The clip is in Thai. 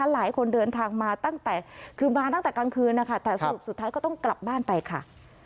หลายคนเดินทางมาตั้งแต่คือมาตั้งแต่กลางคืนนะคะแต่สรุปสุดท้ายก็ต้องกลับบ้านไปค่ะ